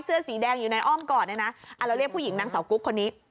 เสื้อสีแดงอยู่ในอ้อมกรดแล้วเรียกผู้หญิงนางสาวกุ๊บคนนี้